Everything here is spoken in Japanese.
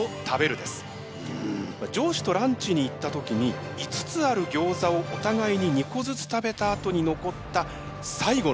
上司とランチに行った時に５つあるギョーザをお互いに２個ずつ食べたあとに残った最後のギョーザ。